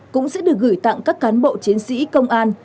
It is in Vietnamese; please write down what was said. cũng sẽ được gửi tặng các cán bộ chiến sĩ công an